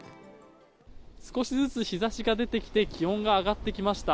少しずつ日ざしが出てきて、気温が上がってきました。